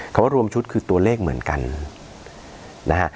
ว่ารวมชุดคือตัวเลขเหมือนกันนะฮะ